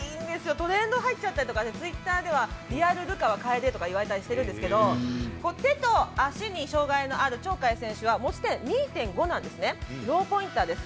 トレンド、入っちゃったりとかツイッターではリアル流川楓とか言われたりしているんですが手と足に障がいがある鳥海選手は、持ち点２．５点のローポインターです。